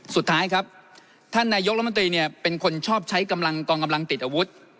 สุดท้ายครับท่านนายกรัฐมนตรีเนี่ยเป็นคนชอบใช้กำลังกองกำลังติดอาวุธ